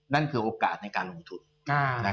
นั่นคือโอกาสในการลงทุน